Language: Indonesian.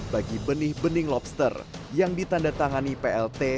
bagi benih benih lobster yang ditanda tangani plt